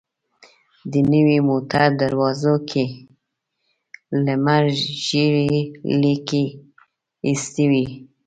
د نوې موټر دروازو کې لمر ژېړې ليکې ايستې وې.